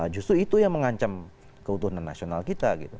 justru itu yang mengancam keutuhan nasional kita gitu